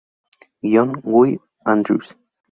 Guion: Guy Andrews.